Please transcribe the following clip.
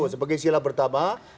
sebagai sila pertama